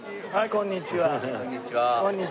こんにちは。